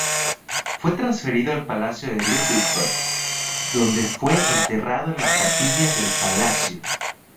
Fue transferido al Palacio de Ludwigsburg donde fue enterrado en la capilla del palacio.